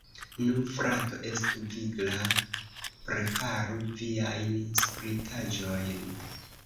Nu, frato, estu vigla, preparu viajn spritaĵojn!